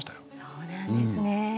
そうなんですね。